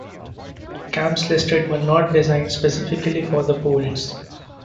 Camps listed were not designed specifically for the Poles.